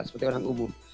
seperti orang umum